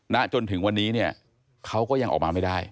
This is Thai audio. ณจนถึงวันนี้เนี่ยเขาก็ยังออกมาไม่ได้